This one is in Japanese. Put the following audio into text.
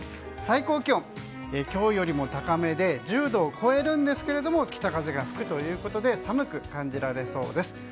最高気温今日よりも高めで１０度を超えるんですけれども北風が吹くということで寒く感じられそうです。